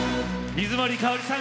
水森かおりさん